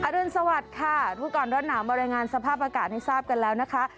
รุนสวัสดิ์ค่ะรู้ก่อนร้อนหนาวมารายงานสภาพอากาศให้ทราบกันแล้วนะคะ